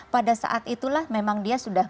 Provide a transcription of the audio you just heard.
pada saat itulah memang dia sudah